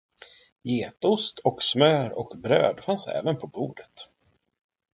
Getost och smör och bröd fanns även på bordet.